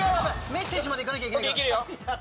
メッセージまでいかなきゃいけないから！